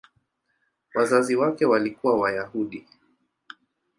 Wazazi wake walikuwa Wayahudi.